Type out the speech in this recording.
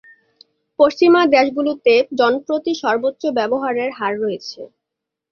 পশ্চিমা দেশগুলিতে জনপ্রতি সর্বোচ্চ ব্যবহারের হার রয়েছে।